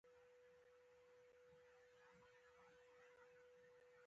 د پوهې وچ کلک زور یې نه واهه.